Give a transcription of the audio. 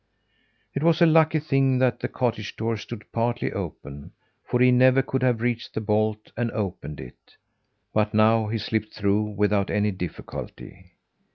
It was a lucky thing that the cottage door stood partly open, for he never could have reached the bolt and opened it; but now he slipped through without any difficulty.